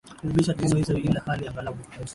kuthibitisha tuhuma hizo ila hali aghalabu